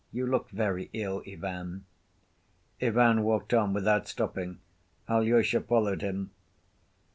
You look very ill, Ivan." Ivan walked on without stopping. Alyosha followed him.